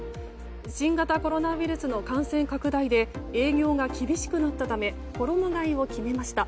新型コロナウイルスの感染拡大で営業が厳しくなったため衣替えを決めました。